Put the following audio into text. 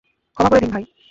ক্ষমা করে দিন ভাই।